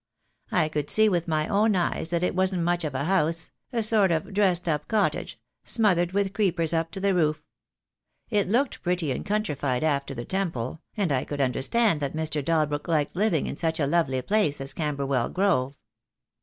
I could see with my own eyes that it wasn't much of a house, a sort of dressed up cottage, smothered with creepers up to the roof. It looked pretty and countrified after the Temple, and I could understand that Mr. Dalbrook liked living in such a lovely place as Camberwell Grove."